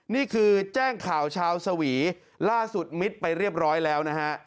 นี่คือแจ้งข่าวชาวสวีล่าสุดมิดไปเรียบร้อยแล้วนะฮะ